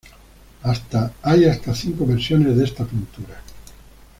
Hay hasta cinco versiones de esta pintura.